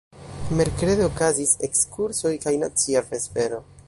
Merkrede okazis ekskursoj kaj nacia vespero.